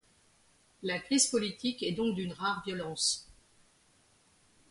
La crise politique est donc d'une rare violence.